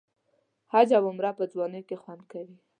حج او عمره په ځوانۍ کې خوند کوي.